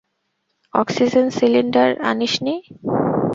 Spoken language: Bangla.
Oxygen cylinder আনিসনি?